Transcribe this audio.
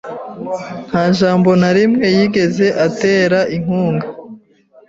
Nta jambo na rimwe yigeze atera inkunga.